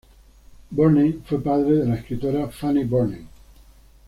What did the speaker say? Burney fue padre de la escritora Fanny Burney.